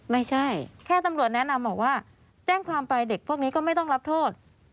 ไม่ใช่แค่ตำรวจแนะนำบอกว่าแจ้งความไปเด็กพวกนี้ก็ไม่ต้องรับโทษ